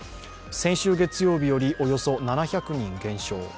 先週月曜日よりおよそ７００人減少。